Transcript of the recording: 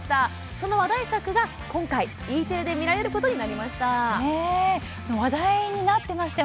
その話題作が、今回、Ｅテレで見られることになりました。